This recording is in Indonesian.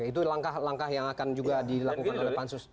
itu langkah langkah yang akan juga dilakukan oleh pansus